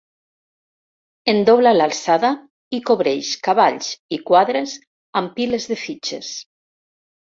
En dobla l'alçada i cobreix cavalls i quadres amb piles de fitxes.